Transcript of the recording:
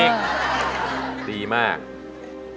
เพลงที่๒มาเลยครับ